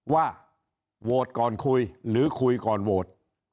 ว่าโหวตก่อนคุยหรือคุยก่อนโหวต